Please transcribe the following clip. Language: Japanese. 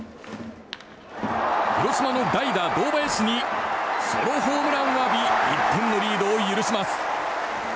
広島の代打、堂林にソロホームランを浴び１点のリードを許します。